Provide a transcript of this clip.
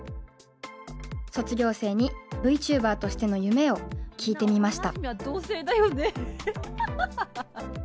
卒業生にＶＴｕｂｅｒとしての夢を聞いてみました。